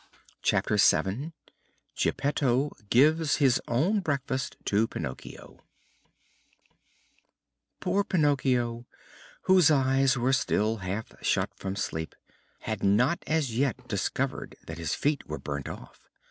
CHAPTER VII GEPPETTO GIVES HIS OWN BREAKFAST TO PINOCCHIO Poor Pinocchio, whose eyes were still half shut from sleep, had not as yet discovered that his feet were burnt off.